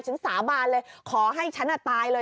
สาบานเลยขอให้ฉันตายเลย